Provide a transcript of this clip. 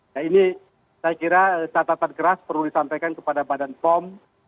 nah ini saya kira catatan keras perlu disampaikan kepada badan pom